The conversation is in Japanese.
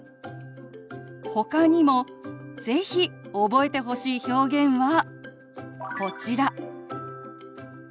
ほかにも是非覚えてほしい表現はこちら。